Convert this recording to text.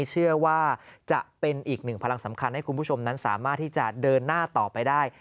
เชื่อว่าจะเป็นอีกหนึ่งพลังสำคัญให้คุณผู้ชมนั้นสามารถที่จะเดินหน้าต่อไปได้